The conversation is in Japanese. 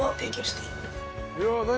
いや何？